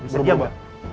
bisa jauh gak